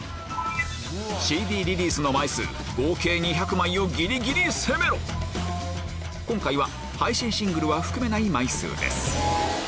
ＣＤリリースの枚数合計２００枚をギリギリ攻めろ今回は配信シングルは含めない枚数です